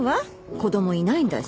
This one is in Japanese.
子供いないんだし。